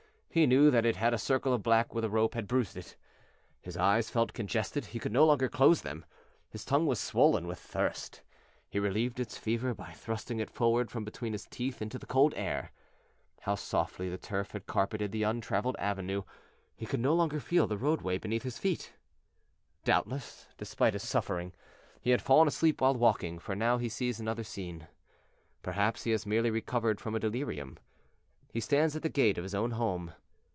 He knew that it had a circle of black where the rope had bruised it. His eyes felt congested; he could no longer close them. His tongue was swollen with thirst; he relieved its fever by thrusting it forward from between his teeth into the cold air. How softly the turf had carpeted the untraveled avenue he could no longer feel the roadway beneath his feet! Doubtless, despite his suffering, he had fallen asleep while walking, for now he sees another scene perhaps he has merely recovered from a delirium. He stands at the gate of his own home.